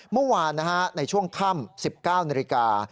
เมื่อวานในช่วงค่ำ๑๙นาฬิกา